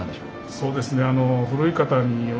そうですね